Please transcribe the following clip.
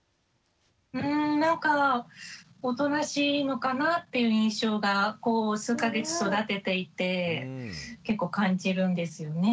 うんなんかおとなしいのかなっていう印象がこう数か月育てていて結構感じるんですよね。